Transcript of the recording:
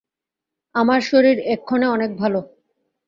আমার শরীর এক্ষণে অনেক ভাল।